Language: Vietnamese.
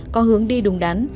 có hướng đi đúng đắn